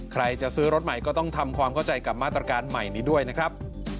ใครจะซื้อรถใหม่ก็ต้องทำความเข้าใจกับมาตรการใหม่นี้ด้วยนะครับ